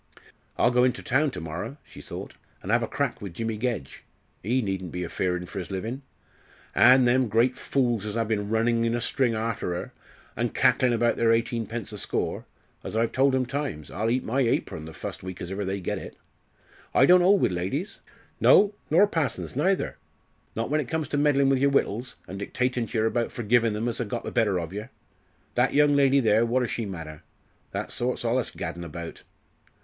"I'll go in ter town termorrer," she thought, "an' have a crack wi' Jimmy Gedge; ee needn't be afeard for 'is livin'. An' them great fules as ha' bin runnin' in a string arter 'er, an' cacklin' about their eighteen pence a score, as I've told 'em times, I'll eat my apron the fust week as iver they get it. I don't hold wi' ladies no, nor passons neither not when it comes to meddlin' wi' your wittles, an' dictatin' to yer about forgivin' them as ha' got the better ov yer. That young lady there, what do she matter? That sort's allus gaddin' about?